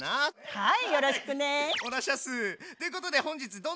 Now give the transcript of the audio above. はい！